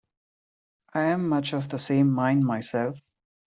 I am much of the same mind myself.